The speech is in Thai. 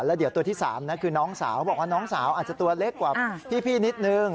แล้วเดี๋ยวตัวที่๓คือน้องสาวบอกว่าน้องสาวอาจจะตัวเล็กกว่าพี่นิดนึง